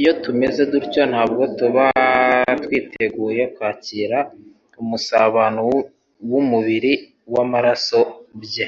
Iyo tumeze dutyo ntabwo tuba twiteguye kwakira umusabano w'umubiri n'amaraso bye.